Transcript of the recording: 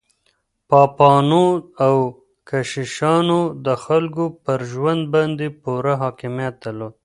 پاپانو او کشيشانو د خلګو پر ژوند باندې پوره حاکميت درلود.